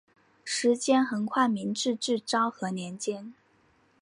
时间横跨明治至昭和年间。